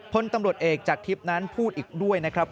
พลตำรวจเอกจากทิพย์นั้นพูดอีกด้วยนะครับ